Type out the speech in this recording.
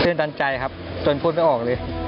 เชื่อมตันใจครับจนพูดไม่ออกเลย